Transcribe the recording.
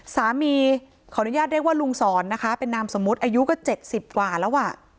ขออนุญาตเรียกว่าลุงสอนนะคะเป็นนามสมมุติอายุก็๗๐กว่าแล้วอ่ะ